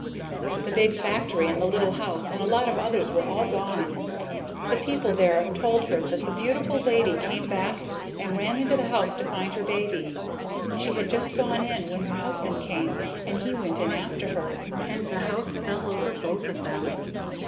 The big factory and the little house and a lot of others were all gone. The people there told her that the beautiful lady came back and ran into the house to find her baby. She had just gone in when her husband came, and he went in after her, and the house fell over both of them."